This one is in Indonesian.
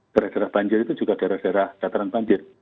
daerah daerah banjir itu juga daerah daerah dataran banjir